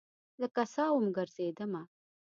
لکه سا وم ګرزیدمه